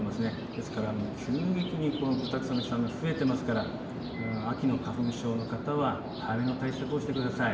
ですから急激にブタクサの飛散が増えていますから秋の花粉症の方は早めの対策をしてください。